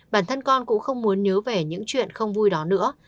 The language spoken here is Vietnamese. bản thân con cũng không muốn nhớ về những chuyện không vui đó nữa